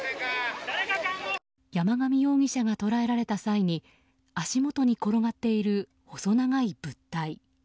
山上容疑者が捕らえられた際に足元に転がっている細長い物体。